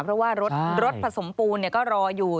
เพราะว่ารถผสมปูนก็รออยู่